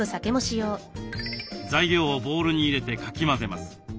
材料をボウルに入れてかき混ぜます。